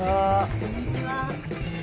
こんにちは。